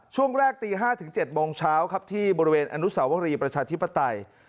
ช่วงแรกตี๕ถึง๗โมงเช้าครับที่บริเวณอนุสาวรีประชาธิปไตย